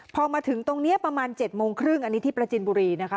พอมาถึงตรงนี้ประมาณ๗โมงครึ่งอันนี้ที่ประจินบุรีนะคะ